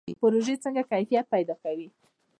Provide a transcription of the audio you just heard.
پروژې څنګه کیفیت پیدا کوي؟